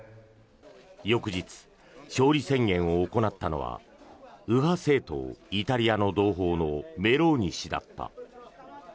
翌日、勝利宣言を行ったのは右派政党、イタリアの同胞のメローニ氏だった。